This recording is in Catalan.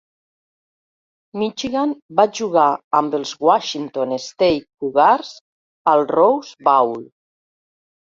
Michigan va jugar amb els Washington State Cougars al Rose Bowl.